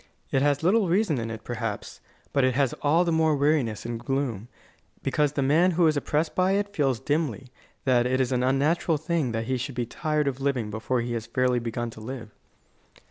It has little reason in it, perhaps, but it has all the more weariness and gloom, because the man who is oppressed by it feels dimly that it is an unnatural thing that he should be tired of living before he has fairly begun to live.